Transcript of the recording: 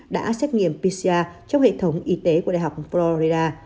đã xét nghiệm pcr trong hệ thống y tế của đại học floreda